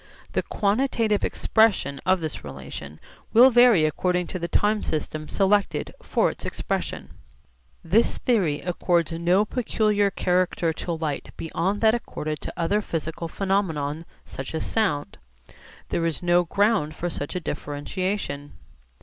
The quantitative expression of this relation will vary according to the time system selected for its expression. This theory accords no peculiar character to light beyond that accorded to other physical phenomena such as sound. There is no ground for such a differentiation.